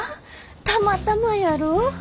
たまたまやろ？